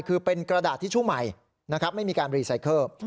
คือเป็นกระดาษทิชชู่ใหม่นะครับไม่มีการรีไซเคิล